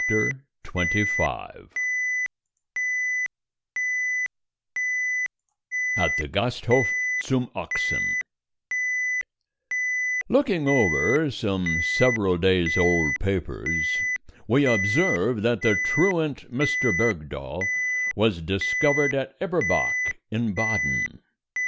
_) AT THE GASTHOF ZUM OCHSEN Looking over some several days old papers we observe that the truant Mr. Bergdoll was discovered at Eberbach in Baden.